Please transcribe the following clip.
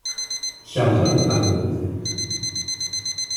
Keṛheɣ lqahwa.